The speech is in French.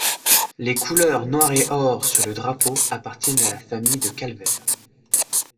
Les couleurs noire et or sur le drapeau appartiennent à la famille de Calvert.